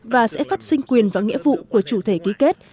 và sẽ phát sinh quyền và nghĩa vụ của chủ thể ký kết